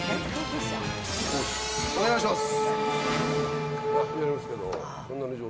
お願いします。